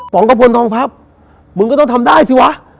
งกระพลทองพับมึงก็ต้องทำได้สิวะ